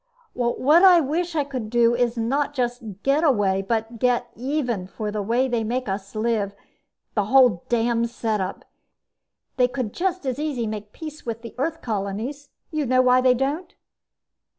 _ "What I wish I could do is not just get away but get even for the way they make us live ... the whole damn set up. They could just as easy make peace with the Earth colonies. You know why they don't?"